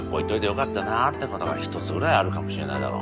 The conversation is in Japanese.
よかったなーってことが一つぐらいあるかもしれないだろ